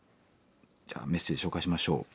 じゃあメッセージ紹介しましょう。